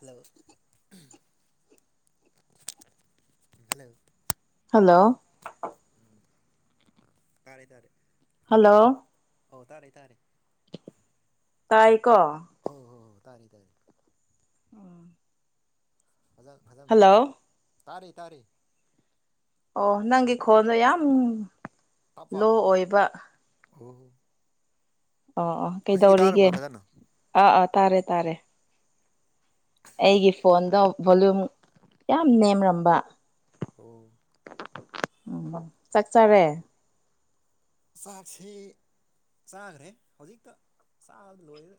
hello hello hello ꯎꯝ ꯇꯥꯔꯦ ꯇꯥꯔꯦ hello ꯑꯣ ꯇꯥꯔꯦ ꯇꯥꯔꯦ ꯇꯥꯏ ꯀꯣ ꯑꯣ ꯍꯣꯏ ꯍꯣꯏ ꯇꯥꯔꯦ ꯇꯥꯔꯦ ꯑꯥ ꯐꯖ ꯐꯖꯟ ꯇꯥꯔꯤ ꯇꯥꯔꯤ ꯇꯥꯔꯤ ꯑꯣ ꯅꯪꯒꯤ ꯈꯣꯟꯗꯣ ꯌꯥꯝ ꯂꯣ ꯑꯣꯏꯕ ꯍꫭꯍꯣ ꯑꯣ ꯑꯣ ꯀꯩꯗꯧꯔꯤꯒꯦ ꯇꯥꯔꯕ ꯐꯖꯅ ꯑꯥ ꯑꯥ ꯇꯥꯔꯦ ꯇꯥꯔꯦ ꯑꯩꯒꯤ ꯐꯣꯟꯗ ꯚꯣꯂꯨꯝ ꯌꯥꯝ ꯅꯦꯝꯔꯝꯕ ꯑꫭ [unintelligible] ꯎꯝꯕ ꯆꯥꯛ ꯆꯔꯦ ꯆꯥꯛꯁꯦ ꯆꯥꯒ꯭ꯔꯦ ꯍꯧꯖꯤꯛꯇ ꯆꯥꯛꯕꯗ ꯂꯣꯏꯔ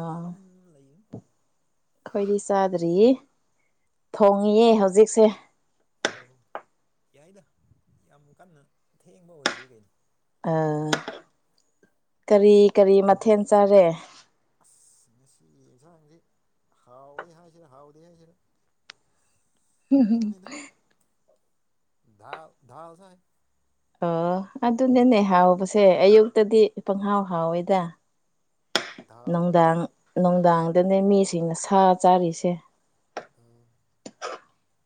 ꯑꯥ ꯐꯝ ꯂꯩꯅꯤ ꯑꯈꯣꯏꯗꯤ ꯆꯥꯗ꯭ꯔꯤꯌꯦ ꯊꯣꯡꯉꯤꯌꯦ ꯍꯧꯖꯤꯛꯁꯦ ꯑꯣ ꯌꯥꯏꯗ ꯌꯥꯝ ꯀꯟꯅ ꯊꯦꯡꯕ ꯑꯣꯏꯗ꯭ꯔꯤ ꯒꯩꯅꯣ ꯑ ꯀꯔꯤ ꯀꯔꯤ ꯃꯊꯦꯟ ꯆꯥꯔꯦ ꯑꯁ ꯉꯁꯤꯒꯤ ꯏꯟꯖꯥꯡꯖꯦ ꯍꯥꯎꯋꯦ ꯍꯥꯏꯁꯤꯔ ꯍꯥꯎꯗꯦ ꯍꯥꯏꯁꯤꯔ ꯀꯅꯤꯅꯤꯗ ꯙꯥꯜ ꯙꯥꯜ ꯆꯥꯢ ꯑꯣ ꯑꯗꯨꯅꯦꯅꯦ ꯍꯥꯎꯕꯁꯦ ꯑꯌꯨꯛꯇꯗꯤ ꯄꯪꯍꯥꯎ ꯍꯥꯎꯋꯦꯗ ꯗꯥꯜꯒ ꯅꯨꯡꯗꯥꯡ ꯅꯨꯡꯗꯥꯡꯗꯅꯦ ꯃꯤꯁꯤꯡꯅ ꯁꯥ ꯆꯥꯔꯤꯁꯦ ꯑꯝ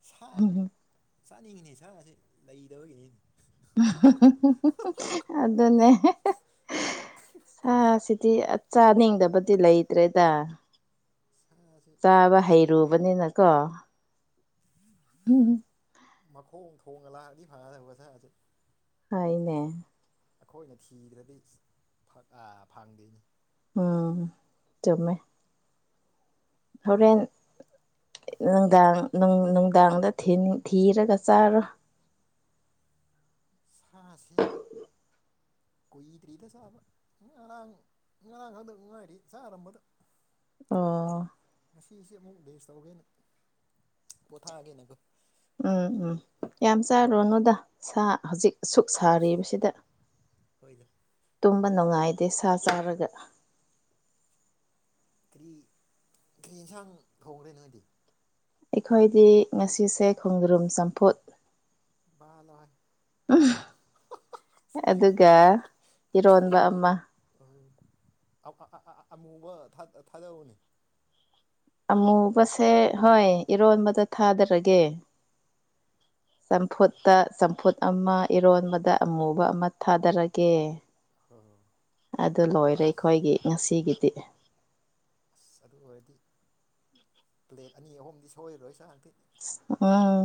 ꯁꯥꯁꯦ ꯆꯥꯅꯤꯡꯉꯤꯅꯦ ꯁꯥꯁꯦ ꯂꯩꯗꯕꯒꯤꯅꯤꯅꯦ ꯑꯗꯨꯅꯦ ꯁꯥ ꯁꯤꯗꯤ ꯆꯥꯅꯤꯡꯗꯕꯗꯤ ꯂꯩꯇ꯭ꯔꯦꯗ ꯁꯥꯁꯤ ꯆꯥꯕ ꯍꯩꯔꯨꯕꯅꯤꯅꯀꯣ ꯎꯝ ꯃꯈꯣꯡ ꯊꯣꯡꯅ ꯂꯥꯛꯑꯗꯤ ꯐꯒꯗꯕ ꯁꯥꯁꯦ ꯍꯥꯏꯅꯦ ꯑꯩꯈꯣꯏꯅ ꯊꯤꯗ꯭ꯔꯗꯤ ꯐꯪꯗꯦꯅꯦ ꯎꯝ ꯆꯨꯝꯃꯦ ꯍꯣꯔꯦꯟ ꯅꯨꯡꯗꯥꯡ ꯅꯨꯡꯗꯥꯡꯗ ꯊꯤꯔꯒ ꯆꯥꯔꯣ ꯁꯥꯥꯁꯤ ꯀꯨꯏꯗ꯭ꯔꯤꯗ ꯆꯥꯕ ꯉꯔꯥꯡ ꯉꯔꯥꯡ ꯈꯪꯗ ꯉꯥꯏꯔꯤ ꯆꯥꯔꯝꯕꯗ ꯑꯣ ꯉꯁꯤꯁꯦ ꯑꯃꯨꯛ ꯕꯦꯁ ꯇꯧꯒꯦꯅ ꯄꯣꯊꯥꯒꯦꯅꯀꫭ ꯎꯝ ꯎꯝ ꯌꯥꯝ ꯆꯥꯔꯨꯔꯅꯨꯗ ꯁꯥ ꯍꯧꯖꯤꯛ ꯑꯁꯨꯨꯛ ꯁꯥꯔꯤꯕꯁꯤꯗ ꯍꯣꯏꯗ ꯇꯨꯝꯕ ꯅꯨꯡꯉꯥꯏꯗꯦ ꯁꯥ ꯆꯥꯔꯒ ꯀꯔꯤ ꯀꯔꯤ ꯌꯦꯟꯁꯥꯡ ꯊꯣꯡꯈ꯭ꯔꯦ ꯅꯣꯏꯗꯤ ꯑꯩꯈꯣꯏꯗꯤ ꯉꯁꯤꯁꯦ ꯈꯣꯡꯗ꯭ꯔꯨꯝ ꯆꯝꯐꯨꯠ ꯚꯜꯂꫭ ꯍꯦ ꯑꯗꯨꯒ ꯏꯔꯣꯟꯕ ꯑꯃ ꯑ ꯑ ꯑꯃꯨꯕ ꯊꯥꯗꯧꯅꯦ ꯑꯃꯨꯕꯁꯦ ꯍꯣꯏ ꯏꯔꯣꯟꯕꯗ ꯊꯥꯗꯔꯒꯦ ꯆꯝꯐꯨꯠꯇ ꯆꯝꯐꯨꯠ ꯑꯃ ꯏꯔꯣꯟꯕꯗ ꯑꯃꯨꯕ ꯑꯃ ꯊꯥꯗꯔꯒꯦ ꯑꯗꯨ ꯂꯣꯏꯔꯦ ꯑꯁ ꯑꯩꯈꯣꯏꯒꯤ ꯉꯁꯤꯒꯤꯗꯤ ꯑꯁ ꯑꯗꯨ ꯑꯣꯏꯔꯗꯤ ꯄ꯭ꯂꯦꯠ ꯑꯅꯤ ꯑꯍꯨꯝꯗꯤ ꯁꯣꯏꯔꯣꯏ ꯏꯟꯁꯥꯡꯗꯤ ꯎꯝ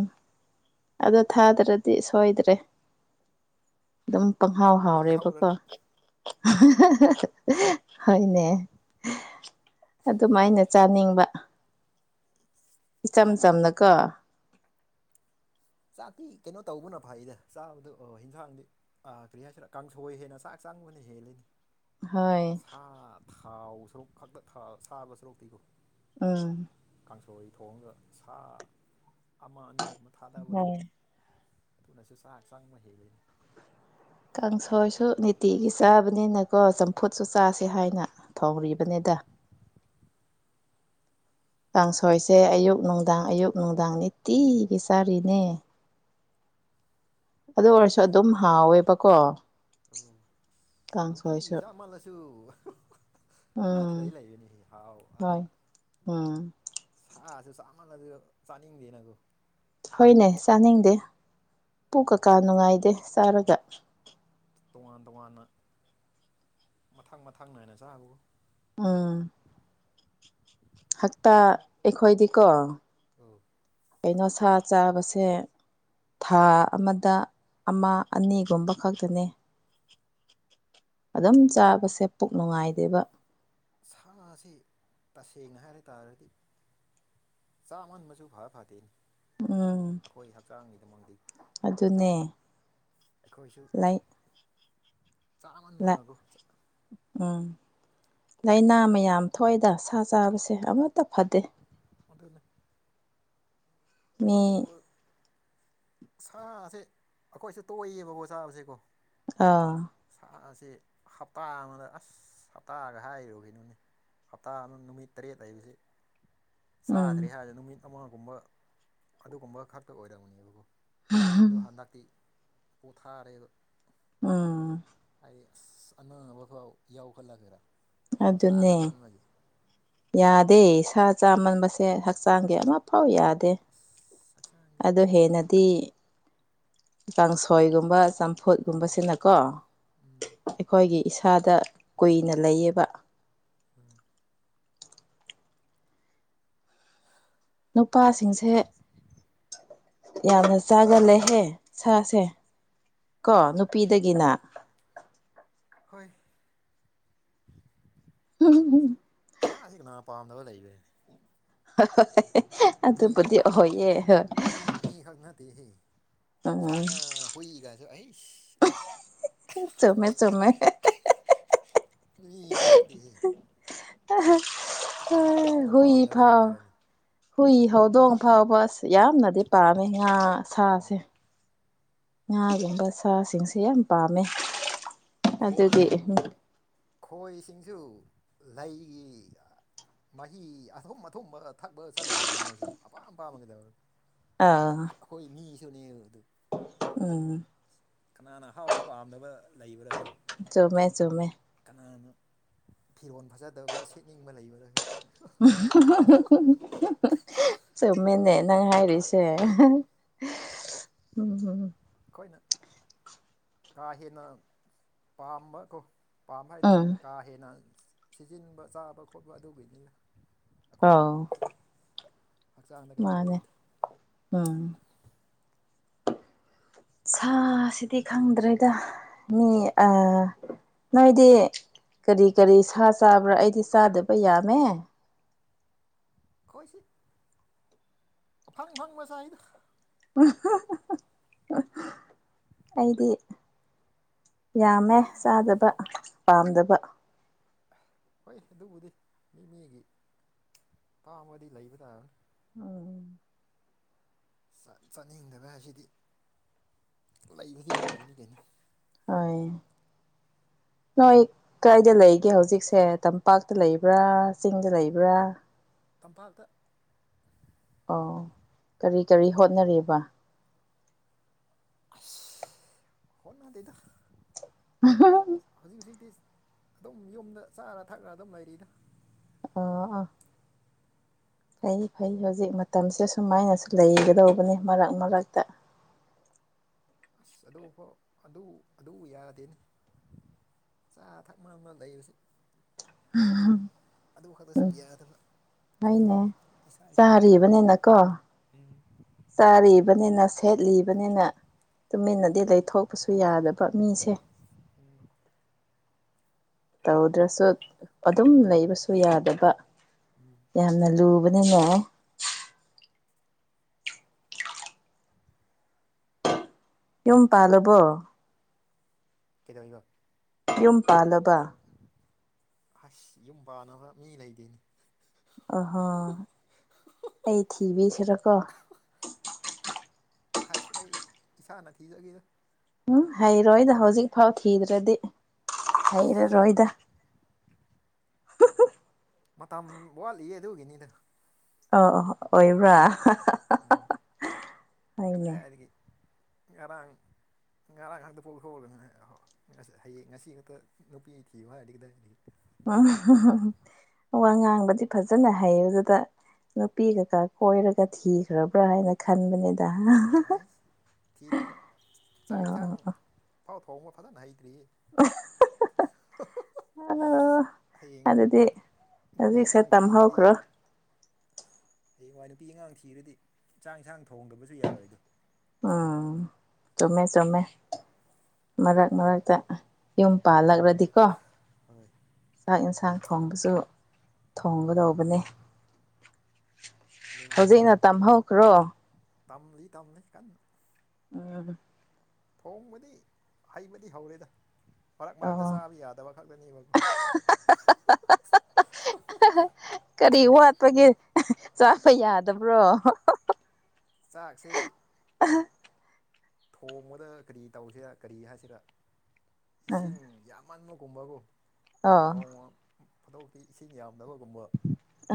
ꯑꯗꯣ ꯊꯥꯗ꯭ꯔꯗꯤ ꯁꯣꯏꯗ꯭ꯔꯦ ꯑꯗꯨꯝ ꯄꯪꯍꯥꯎ ꯃꯩ ꯍꯥꯎꯔꯦꯕꯀꯣ ꯍꯧꯔꯅꯤ ꯍꯣꯏꯅꯦ ꯑꯗꯨꯃꯥꯏꯅ ꯆꯥꯅꯤꯡꯕ ꯏꯆꯝ ꯆꯥꯛꯇꯤ ꯆꯝꯅꯀꯣ ꯆꯥꯛꯇꯤ ꯀꯩꯅꯣ ꯇꯧꯕꯅ ꯐꯩꯗ ꯆꯥꯕꯗꯣ ꯑꯣ ꯍꯟꯁꯥꯡꯗꯤ ꯑꯥ ꯀ꯭ꯔꯤ ꯍꯥꯏꯁꯤꯔ ꯀꯥꯡꯁꯣꯏ ꯍꯦꯟꯅ ꯆꯥꯛ ꯆꯥꯡꯕꯅ ꯍꯦꯜꯂꯤꯅꯤ ꯍꯣꯏ ꯑꯥ ꯊꯥꯎ ꯁꯔꯨꯛ ꯈꯛꯇ ꯁꯥꯕ ꯁꯔꯨꯛꯇꯤ [unintelligible] ꯎꯝ ꯀꯥꯡꯁꯣꯏ ꯊꯣꯡꯒꯥ ꯁꯥ ꯑꯃ ꯑꯅꯤꯒꯨꯝꯕ ꯍꯣꯏ ꯊꯥꯗꯕꯗꯨꯕꯨ ꯑꯗꯨꯅꯁꯨ ꯆꯥꯛ ꯆꯪꯕ ꯍꯦꯜꯂꯤꯅꯤ ꯀꯥꯡꯁꯣꯏꯁꯨ ꯅꯤꯇꯤꯒꯤ ꯆꯥꯕꯅꯤꯅꯀꯣ ꯆꯝꯐꯨꯠꯁꯨ ꯆꯥꯁꯦ ꯍꯥꯏꯅ ꯊꯧꯔꯤꯕꯅꯦꯗ ꯀꯥꯡꯁꯣꯏꯁꯦ ꯑꯌꯨꯛ ꯅꯨꯡꯗꯥꯡ ꯑꯌꯨꯛ ꯅꯨꯡꯗꯥꯡ ꯅꯤꯇꯤꯒꯤ ꯆꯥꯔꯤꯅꯦ ꯑꯗꯨ ꯑꯣꯏꯔꯁꯨ ꯑꯗꯨꯝ ꯍꯥꯎꯋꯦꯕꯀꯣ ꯑꯧ ꯅꯨꯡꯇꯤꯒꯤ ꯀꯥꯡꯁꯣꯏꯁꯨ ꯖꯥꯃꯥꯜꯂꯁꯨ ꯑꯥꯃꯥꯗꯤ ꯎꯝ ꯂꯩ ꯂꯩꯕꯅꯤ ꯍꯥꯎ ꯑ ꯍꯣꯏ ꯎꯝ ꯁꯥꯁꯨ ꯆꯥꯃꯥꯟꯂꯥꯁꯨ ꯆꯥꯅꯤꯡꯗꯦꯅꯀꯣ ꯍꯣꯏꯅꯦ ꯆꯥꯅꯤꯡꯗꯦ ꯄꯨ ꯀꯀꯥ ꯅꯨꯡꯉꯥꯏꯗꯦ ꯆꯥꯔꯒ ꯇꯣꯉꯥꯟ ꯇꯣꯉꯥꯟꯅ ꯃꯊꯪ ꯃꯊꯪ ꯅꯥꯏꯅ ꯆꯥꯕꯒꯣ ꯎꯝ ꯍꯥꯛꯇꯥ ꯑꯩꯈꯣꯏꯗꯤꯀꯣ ꯎꯝ ꯀꯩꯅꯣ ꯁꯥ ꯆꯥꯕꯁꯦ ꯊꯥ ꯑꯃꯗ ꯑꯃ ꯑꯅꯤꯒꯨꯝꯕ ꯈꯛꯇꯅꯤ ꯑꯗꯨꯝ ꯆꯥꯕꯁꯦ ꯄꯨꯛ ꯅꯨꯡꯉꯥꯏꯗꯦꯕ ꯁꯥ ꯑꯁꯤ ꯇꯁꯦꯡꯅ ꯍꯥꯏꯔ ꯇꯥꯔꯗꯤ ꯆꯥꯃꯟꯕꯁꯨ ꯐꯔ ꯐꯗꯦꯅꯤ ꯎꯝ ꯑꯩꯈꯣꯏ ꯍꯛꯆꯥꯡꯒꯤꯗꯃꯗꯤ ꯑꯗꯨꯅꯦ ꯑꯩꯈꯣꯏꯁꯨ ꯂꯥꯏ ꯂꯥꯏ ꯆꯥꯃꯟꯅꯔꯒ ꯎꯝ ꯂꯥꯏꯅꯥ ꯃꯌꯥꯝ ꯊꯣꯛꯏꯗ ꯁꯥ ꯆꯥꯕꯁꯦ ꯑꯃꯠꯇ ꯐꯗꯦ ꯑꯥꯗꯨꯅꯦ ꯑꯩꯈꯣꯏ ꯁꯌꯨ ꯃꯤ ꯁꯥꯁꯦ ꯑꯩꯈꯣꯏꯁꯨ ꯇꯣꯛꯏꯌꯦꯕꯀꯣ ꯆꯥꯕꯁꯦꯀꯣ ꯑꯥ ꯁꯥ ꯑꯁꯤ ꯍꯞꯇꯥ ꯑꯃꯗ ꯑꯁ ꯍꯞꯇꯥꯒ ꯍꯥꯏꯔꯨꯒꯤꯅꯣꯅꯤ ꯍꯞꯇꯥ ꯑꯃ ꯅꯨꯃꯤꯠ ꯇꯔꯦꯠ ꯂꯩꯏꯕꯁꯤ ꯆꯥꯗ꯭ꯔꯦ ꯎꯝ ꯍꯥꯏꯔ ꯅꯨꯃꯤꯠ ꯑꯃꯒꯨꯝꯕ ꯑꯗꯨꯒꯨꯝꯕ ꯈꯛꯇ ꯑꯣꯏꯔꯝꯅꯦꯕꯀꯣ ꯑꯗꯣ ꯍꯟꯗꯛꯇꯤ ꯄꯣꯊꯥꯔꯦꯕ ꯎꯝ ꯑꯩ ꯑꯁ [unintelligible] ꯌꯥꯎ ꯍꯜ ꯈꯜꯂꯒꯦꯔ ꯑꯗꯨꯅꯦ ꯌꯥꯗꯦ ꯁꯥ ꯆꯥꯃꯟꯕꯁꯦ ꯍꯛꯆꯥꯡꯗꯤ ꯑꯃ ꯐꯥꯎ ꯌꯥꯗꯦ ꯑꯁ ꯍꯛꯆꯥꯡꯗꯤ ꯑꯗꯨ ꯍꯦꯟꯅꯗꯤ ꯀꯥꯡꯁꯣꯏꯒꯨꯝꯕ ꯎꯝ ꯆꯝꯐꯨꯠꯀꯨꯝꯕꯁꯤꯅꯀꯣ ꯎꯝ ꯑꯩꯈꯣꯏꯒꯤ ꯏꯁꯥꯗ ꯀꯨꯏꯅ ꯂꯩꯌꯦꯕ ꯎꯝ ꯅꯨꯄꯥꯁꯤꯡꯁꯦ ꯌꯥꯝꯅ ꯆꯥꯒꯂꯍꯦ ꯁꯥꯁꯦ ꯀꯣ ꯅꯨꯄꯤꯗꯒꯤꯅ ꯍꯣꯏ [unintelligible] ꯁꯥꯁꯤ ꯀꯅꯥ ꯄꯥꯝꯗꯕ [unintelligible] ꯍꯣꯏ ꯑꯗꯨꯕꯨꯗꯤ ꯑꯣꯏꯌꯦ ꯍꯣꯏ ꯃꯤ ꯃꯤ ꯈꯛ ꯅꯠꯇꯦꯍꯦ ꯁꯥ ꯎꯝ ꯉꯥ ꯍꯨꯏꯒꯁꯨ ꯑꯩꯁ ꯆꯨꯝꯃꯦ ꯆꯨꯝꯃꯦ ꯃꯤꯈꯛ ꯅꯠꯇꯦꯍꯦ ꯀꯅꯥꯅ ꯑꯍꯥꯎꯕ ꯍꯨꯏ ꯄꯥꯝꯗꯕ ꯐꯥꯎ ꯂꯩꯕ꯭ꯔꯅꯤ ꯍꯨꯏ ꯍꯧꯗꯣꯡ ꯐꯥꯎꯄ ꯌꯥꯝꯅꯗꯤ ꯄꯥꯝꯃꯦ ꯉꯥ ꯁꯥꯁꯦ ꯉꯥꯒꯨꯝꯕ ꯁꯥꯁꯤꯡꯁꯦ ꯌꯥꯝ ꯄꯥꯝꯃꯦ ꯈꯣꯏ ꯑꯗꯨꯒꯤ ꯈꯣꯏꯁꯤꯡꯁꯨ ꯂꯩ ꯃꯍꯤ ꯑꯊꯨꯝ ꯑꯊꯨꯝꯕ ꯊꯛꯄ ꯆꯠꯂꯤꯗꯨꯗꯤ ꯃꯣꯏꯁꯨ ꯑꯄꯥꯝ ꯄꯥꯝꯕꯒꯩꯗꯧ ꯑꯥ ꯑꯩꯈꯣꯏ ꯃꯤꯁꯨꯅꯦ ꯑꯗꯨ ꯎꯝ ꯀꯅꯥꯅ ꯑꯍꯥꯎꯕ ꯄꯥꯝꯗꯕ ꯂꯩꯕ꯭ꯔꯥ ꯍꯦ ꯆꯨꯝꯃꯦ ꯆꯨꯝꯃꯦ ꯀꯅꯥꯅ ꯐꯤꯔꯣꯜ ꯐꯖꯗꯕ ꯁꯦꯠꯅꯤꯡꯕ ꯂꯩꯕꯔꯥ ꯍꯦ [unintelligible] ꯆꯨꯝꯃꯦꯅꯦ ꯅꯪ ꯍꯥꯏꯔꯤꯁꯦ ꯎꯝ ꯑꯩꯈꯣꯏꯅ ꯀꯥ ꯍꯦꯟꯅ ꯄꯥꯝꯕ ꯀꯣ ꯄꯥꯝꯕ ꯍꯥꯏꯗꯤ ꯎꯝ ꯀꯥ ꯍꯦꯟꯅ ꯁꯤꯖꯤꯟꯕ ꯆꯥꯕ ꯈꯣꯠꯄ ꯑꯗꯨꯒꯤꯅꯤꯅ ꯑꯥꯎ ꯍꯛꯆꯥꯡꯗ ꯀꯩꯅꯣ ꯃꯥꯅꯦ ꯇꯧꯔꯤꯗꯨ ꯎꯝ ꯁꯥꯁꯤꯗꯤ ꯈꯪꯗ꯭ꯔꯦꯗ ꯃꯤ ꯅꯣꯏꯗꯤ ꯀꯔꯤ ꯀꯔꯤ ꯁꯥ ꯆꯥꯕ꯭ꯔꯥ ꯑꯩꯗꯤ ꯆꯥꯗꯕ ꯌꯥꯝꯃꯦ ꯀꯣꯏꯁꯤ ꯐꯪ ꯐꯪꯕꯆꯥꯏꯗ ꯑꯩꯗꯤ ꯌꯥꯝꯃꯦ ꯆꯥꯗꯕ ꯄꯥꯝꯗꯕ ꯍꯣꯏ ꯑꯗꯨꯕꯨꯗꯤ ꯃꯤ ꯃꯤꯒꯤ ꯄꯥꯝꯃꯗꯤ ꯂꯩꯕ ꯇꯥꯕꯅꯤ ꯎꯝ ꯆꯥꯛ ꯆꯥꯅꯤꯡꯗꯔꯦ ꯉꯁꯤꯗꯤ ꯂꯩꯕꯗꯤ ꯇꯥꯕꯅꯤ ꯀꯩꯅꫭ ꯍꫭꯏ ꯅꫭꯏ ꯀꯥꯏꯗ ꯂꯩꯒꯦ ꯍꯧꯖꯤꯛꯁꯦ ꯇꯝꯄꯥꯛꯇ ꯂꯩꯕ꯭ꯔꯥ ꯆꯤꯡꯗ ꯂꯩꯕ꯭ꯔꯥ ꯇꯝꯄꯥꯛꯇ ꯑꯣ ꯀꯔꯤ ꯀꯔꯤ ꯍꯣꯠꯅꯔꯤꯕ ꯑꯁ ꯍꯣꯠꯅꯗꯦꯗ ꯍꯧꯖꯤꯛ ꯍꯧꯖꯤꯛꯇꯤ ꯑꯗꯨꯝ ꯌꯨꯝꯗ ꯆꯥꯔ ꯊꯛꯑ꯭ꯔ ꯑꯗꯨꯝ ꯂꯩꯔꯤꯗ ꯑ ꯑꯥ ꯐꯩ ꯐꯩ ꯍꯧꯖꯤꯛ ꯃꯇꯝꯁꯦ ꯁꯨꯃꯥꯏꯅꯁꯨ ꯂꯩꯒꯗꯧꯕꯅꯤ ꯃꯔꯛ ꯃꯔꯛꯇ ꯑꯁ ꯑꯗꯨꯐꯥꯎ ꯑꯗꯨ ꯑꯗꯨ ꯌꯥꯗꯦꯅꯦ ꯆꯥ ꯊꯛ ꯃꯝꯗ ꯂꯩꯔꯁꯨ ꯎꯝꯝ [unintelligible] ꯑꯗꯨ ꯈꯛꯇꯁꯨ ꯌꯥꯗꯕ ꯍꫭꯏꯅꯦ ꯏꯁꯥ ꯏꯁꯥꯒꯤ ꯆꯥꯔꯤꯕꯅꯤꯅꯀꯣ ꯆꯥꯔꯤꯕꯅꯤꯅ ꯁꯦꯠꯂꯤꯕꯅꯤꯅ ꯑꯧ ꯇꯨꯃꯤꯟꯅꯗꯤ ꯂꯩꯊꯣꯛꯄꯁꯨ ꯌꯥꯗꯕ ꯃꯤꯁꯦ ꯎꯝ ꯇꯧꯗ꯭ꯔꯁꯨ ꯑꯗꯨꯝ ꯂꯩꯕꯁꯨ ꯌꯥꯗꯕ ꯎꯝ ꯌꯥꯝꯅ ꯂꯨꯕꯅꯤꯅꯦ [unintelligible] ꯌꯨꯝ ꯄꯥꯜꯂꯕꯣ ꯀꯩꯗꯧꯅꯣ ꯌꯨꯝ ꯄꯥꯜꯂꯕ ꯑꯁ ꯌꯨꯝ ꯄꯥꯟꯅꯕ ꯃꯤ ꯂꯩꯗꯣꯏꯅꯤ ꯑꯍꯣ ꯑꯩ ꯊꯤꯕꯤꯁꯤꯔꯀꯣ ꯍꯁ ꯑꯩ ꯏꯁꯥꯅ ꯊꯤꯖꯒꯗ ꯎꯝ ꯍꯩꯔꯣꯏꯗ ꯍꯧꯖꯤꯛꯐꯥꯎ ꯊꯤꯗ꯭ꯔꯗꯤ ꯑꯁ ꯍꯩꯔꯔꯣꯏꯗ ꯃꯇꯝ ꯋꯥꯠꯂꯤ ꯑꯗꯨꯒꯤꯅꯤꯗ ꯑ ꯑ ꯑꯣꯏꯕ꯭ꯔꯥ ꯎꯝ ꯀꯗꯥ ꯍꯣꯏꯅꯦ ꯉꯔꯥꯡ ꯉꯒꯥꯔꯥꯡ ꯈꯗꯤ ꯄꯨꯣ ꯈꯣꯔꯒꯅꯅꯦꯣ ꯁ ꯍꯌꯦꯡ ꯉꯁꯤ ꯈꯛꯇ ꯅꯨꯄꯤ ꯊꯤꯕ ꯍꯥꯏꯗꯤ ꯀꯗꯥꯏꯗꯤ ꯎꯝ ꯋꯥ ꯉꯥꯡꯕꯗꯤ ꯐꯖꯅ ꯍꯩ ꯑꯗꯨꯗ ꯅꯨꯄꯤ ꯀꯀꯥ ꯀꯣꯏꯔꯒ ꯊꯤꯈ꯭ꯔꯕ꯭ꯔꯥ ꯍꯥꯏꯅ ꯈꯟꯕꯅꯤꯗ ꯑꯩ ꯊꯤꯗ꯭ꯔꯤ ꯆꯥꯛ ꯑꯣ ꯌꯦꯟꯁꯥꯡ ꯄꯥꯎ ꯊꯣꯡꯕ ꯐꯖꯅ ꯍꯩꯇ꯭ꯔꯤ ꯑ ꯑꯣ ꯍꯌꯦꯡ ꯑꯗꯨꯗꯤ ꯅꯨꯄꯤ ꯍꯧꯖꯤꯛꯁꯦ ꯑꯉꯥꯡ ꯊꯤꯔꯗꯤ ꯇꯝꯍꯧꯈ꯭ꯔꯣ ꯍꯌꯦꯡꯋꯥꯏ ꯅꯨꯄꯤ ꯑꯉꯥꯡ ꯊꯤꯔꯗꯤ ꯆꯥꯡ ꯏꯟꯁꯥꯡ ꯊꯣꯡꯗꯕꯁꯨ ꯌꯥꯔꯣꯏꯗꯣ ꯎꯝ ꯆꯃꯦ ꯆꯣꯃꯦ ꯃꯔꯛ ꯃꯔꯛꯇ ꯌꯨꯝ ꯄꯥꯜꯂꯛꯂꯗꯤꯀꯣ ꯍꯣꯏ ꯆꯥꯛ ꯏꯟꯁꯥꯡ ꯊꯣꯡꯕꯁꯨ ꯊꯣꯡꯒꯗꯧꯕꯅꯤ ꯑꯗꯨ ꯍꯧꯖꯤꯛꯅ ꯇꯝꯍꯧꯈ꯭ꯔꯣ ꯇꯝꯂꯤ ꯇꯝꯂꯤ ꯀꯟꯅ ꯎ ꯊꯣꯡꯕꯗꯤ ꯍꯩꯕꯗꯤ ꯍꯧꯔꯦꯗ ꯃꯔꯛ ꯃꯔꯛꯇ ꯑꯣ ꯆꯥꯕ ꯌꯥꯗꯕ ꯈꯛꯇꯅꯦꯕꯀꯣ [unintelligible] ꯀꯔꯤ ꯋꯥꯠꯄꯒꯦ ꯆꯥꯕ ꯌꯥꯗꯕ꯭ꯔꯣ ꯆꯥꯛꯁꯤ ꯊꯣꯡꯕꯗ ꯀꯔꯤ ꯇꯧꯁꯤꯔꯥ ꯀꯔꯤ ꯍꯥꯏꯁꯤꯔꯥ ꯑ ꯏꯁꯤꯡ ꯌꯥꯝ ꯃꯟꯕꯒꯨꯝꯕꯀꯣ ꯑꯣ ꯅꯣꯡꯃ ꯐꯗꯣꯛ ꯇꯤ ꯏꯁꯤꯡ ꯌꯥꯝꯗꯕꯒꯨꯝꯕ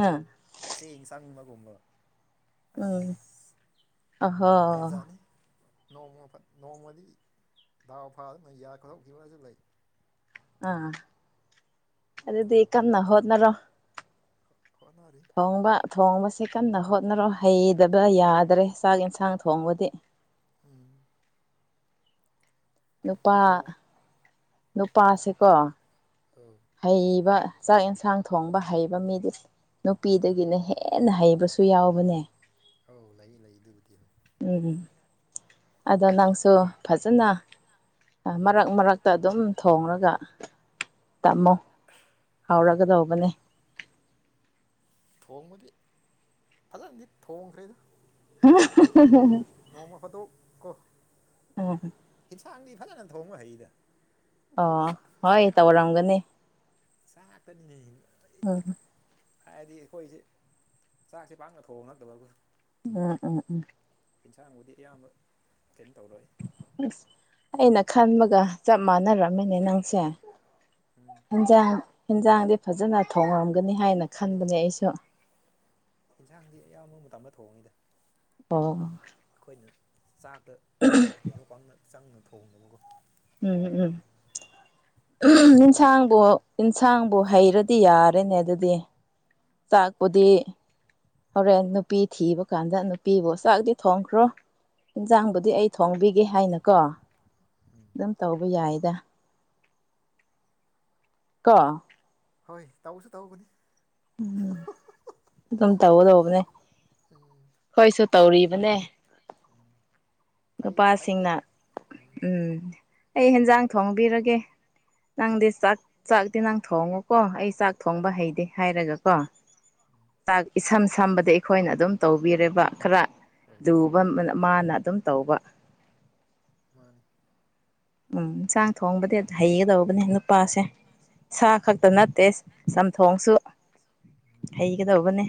ꯑꯥ ꯆꯦꯡ ꯆꯪꯕꯒꯨꯝꯕ ꯎꯝ ꯑꯁ ꯑꯍꯣ ꯖꯥꯠ ꯖꯥꯠꯅꯦ ꯅꯣꯡꯃ ꯐꯠ ꯅꯣꯡꯃꯗꯤ ꯗꯥꯎ ꯐꯥꯗꯨꯅ ꯌꯥ ꯈꯣꯗꯣꯛꯈꯤꯕꯁꯨ ꯂꯩ ꯑꯥ ꯑꯗꯨꯗꯤ ꯀꯟꯅ ꯍꯣꯠꯅꯔꯣ ꯍꯣꯠꯅꯔꯤ ꯊꯣꯡꯕ ꯊꯣꯡꯕꯁꯤ ꯀꯟꯅ ꯎꯝ ꯍꯣꯠꯅꯔꯣ ꯍꯩꯗꯕ ꯌꯥꯗ꯭ꯔꯦ ꯆꯥꯛ ꯏꯟꯁꯥꯡ ꯊꯣꯡꯕꯗꯤ ꯎꯝ ꯅꯨꯄꯥ ꯊꯣꯡ ꯅꯨꯄꯥꯁꯤꯀꯣ ꯑꯧ ꯍꯩꯕ ꯆꯥꯛ ꯏꯟꯁꯥꯡ ꯊꯣꯡꯕ ꯍꯩꯕ ꯃꯤꯗꯤ ꯅꯨꯄꯤꯗꯒꯤꯅ ꯍꯦꯟꯅ ꯍꯩꯕꯁꯨ ꯌꯥꯎꯕꯅꯦ ꯑꯧ ꯂꯩꯌꯦ ꯂꯩ ꯑꯗꯨꯕꯨꯗꯤ ꯎꯝ ꯑꯗꯣ ꯅꯪꯁꯨ ꯐꯖꯅ ꯃꯔꯛ ꯃꯔꯛꯇ ꯑꯗꯨꯝ ꯊꯣꯡꯂꯒ ꯇꯝꯃꯣ ꯍꯥꯎꯔꯒꯗꯧꯕꯅꯦ ꯊꯣꯡꯕꯗꯤ ꯐꯖꯅꯗꯤ ꯊꯣꯡꯈ꯭ꯔꯦꯗ [unintelligible] ꯅꯣꯡꯃ ꯐꯗꯣꯛ ꯀꯣ ꯎꯝ ꯏꯟꯁꯥꯡꯗꯤ ꯐꯖꯅ ꯊꯣꯡꯕ ꯍꯩꯗ ꯑꯣ ꯆꯥꯛ ꯍꯣꯏ ꯆꯥꯛ ꯇꯅꯤ ꯇꯧꯔꯝꯒꯅꯤ ꯆꯥꯛꯇꯅꯤꯅꯦꯍꯦ ꯑꯩ ꯎꯝ ꯐꯗꯤ ꯈꯣꯏꯁꯦ ꯆꯥꯛꯁꯦ ꯄꯥꯛꯅ ꯊꯣꯡꯅꯗꯕ ꯀꯣ ꯎꯝ ꯎꯝ ꯎꯝ ꯏꯟꯁꯥꯡꯕꯨꯗꯤ ꯑꯌꯥꯝꯕ ꯀꯩꯝ ꯇꯧꯔꯣꯏ ꯑꯁ ꯑꯩꯅ ꯈꯟꯕꯒ ꯆꯞ ꯃꯥꯟꯅꯔꯝꯃꯤꯅꯦ ꯅꯪꯁꯦ ꯎꯝ ꯍꯦꯟꯖꯥꯡ ꯍꯤꯟꯖꯥꯡꯗꯤ ꯐꯖꯅ ꯊꯣꯡꯉꯝꯒꯅꯤ ꯍꯥꯏꯅ ꯈꯟꯕꯅꯦ ꯑꯩꯁꯨ ꯍꯤꯟꯁꯥꯡꯗꯤ ꯑꯌꯥꯝꯕ ꯃꯇꯝꯗ ꯊꯣꯡꯉꯤꯗ ꯑꯣ ꯑꯩꯈꯣꯏꯅ ꯆꯥꯛꯗ [unintelligible] ꯀꯩꯅꯣ ꯄꯥꯡꯅ ꯆꯪꯅ ꯊꯣꯡꯗꯕꯀꯣ ꯎꯝ ꯎꯝ ꯑꯩꯈꯣꯏ ꯏꯟꯁꯥꯡꯕꯣ ꯏꯟꯁꯥꯡꯕꯨ ꯍꯩꯔꯗꯤ ꯌꯥꯔꯦꯅꯦ ꯑꯗꯨꯗꯤ ꯆꯥꯛꯄꯨꯗꯤ ꯍꯣꯔꯦꯟ ꯅꯨꯄꯤ ꯊꯤꯕ ꯀꯥꯟꯗ ꯅꯨꯄꯤꯕꯨ ꯆꯥꯛꯗꯤ ꯊꯣꯡꯈ꯭ꯔꯣ ꯏꯟꯖꯥꯡꯕꯨꯗꯤ ꯑꯩ ꯊꯣꯡꯕꯤ ꯒꯦ ꯍꯥꯏꯅꯀꯣ ꯎꯝ ꯑꯗꯨꯝ ꯇꯧꯕ ꯌꯥꯏꯗ ꯀꯣ ꯍꯣꯏ ꯇꯧꯁꯨ ꯇꯧꯒꯅꯤ ꯎꯝ ꯑꯗꯨꯝ ꯇꯧꯒꯗꯧꯕꯅꯦ ꯎꯝ ꯍꯣꯏꯁꯨ ꯇꯧꯔꯤꯕꯅꯦ ꯎꯝ ꯐꯩ ꯐꯩꯗ ꯅꯨꯄꯥꯁꯤꯡꯅ ꯎꯝ ꯑꯩ ꯍꯦꯟꯖꯥꯡ ꯊꯣꯡꯕꯤꯔꯒꯦ ꯎꯝ ꯅꯪꯗꯤ ꯆꯥꯛ ꯆꯥꯛꯇꯤ ꯅꯪ ꯊꯣꯡꯉꯨꯀꯣ ꯑꯩ ꯆꯥꯛ ꯊꯣꯡꯕ ꯎꯝ ꯍꯩꯗꯦ ꯍꯥꯏꯔꯒꯀꯣ ꯆꯥꯛ ꯏꯁꯝ ꯁꯝꯕꯗꯩ ꯑꯩꯈꯣꯏꯅ ꯑꯗꯨꯝ ꯇꯧꯕꯤꯔꯦꯕ ꯈꯔ ꯎꯝ ꯂꯨꯕ ꯃꯥꯅ ꯑꯗꯨꯝ ꯇꯧꯕ ꯃꯥꯅꯤ ꯎꯝ ꯆꯥꯛ ꯊꯣꯡꯕꯗꯤ ꯍꯩꯒꯗꯧꯕꯅꯦ ꯅꯨꯄꯥꯁꯦ ꯁꯥ ꯈꯛꯇ ꯅꯠꯇꯦ ꯆꯝꯊꯣꯡꯁꯨ ꯎꯝ ꯍꯩꯒꯗꯧꯕꯅꯦ